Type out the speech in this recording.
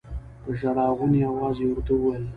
په ژړا غوني اواز يې ورته وويل.